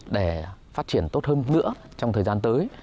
để phát triển tốt hơn nữa trong thời gian tới